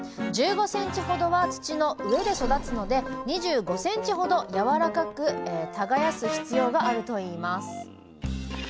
１５ｃｍほどは土の上で育つので２５ｃｍほどやわらかく耕す必要があるといいます。